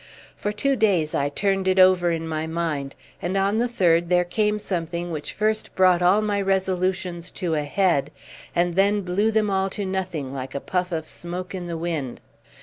For two days I turned it over in my mind, and on the third there came something which first brought all my resolutions to a head, and then blew them all to nothing like a puff of smoke in the wind.